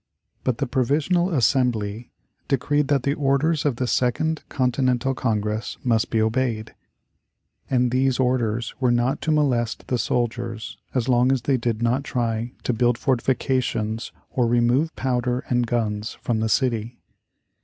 But the Provisional Assembly decreed that the orders of the Second Continental Congress must be obeyed. And these orders were not to molest the soldiers as long as they did not try to build fortifications or remove powder and guns from the city.